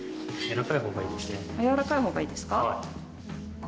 柔らかいほうがいいですか？